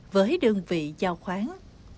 với đơn vị giao khoáng